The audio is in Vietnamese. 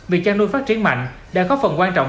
việc chăn nuôi phát triển mạnh đã có phần quan trọng